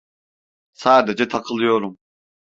Sadece takılıyorum.